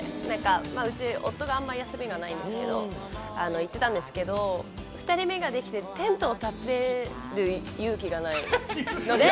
うち、夫があまり休みがないんですけど、行ってたんですけど、２人目ができてテントを立てる勇気がないので。